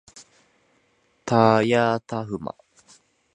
たやたふま